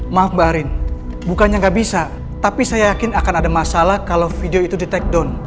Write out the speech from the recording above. maaf mbak arin bukannya nggak bisa tapi saya yakin akan ada masalah kalau video itu di take down